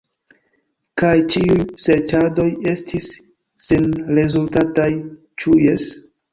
Kaj ĉiuj serĉadoj estis senrezultataj; ĉu jes?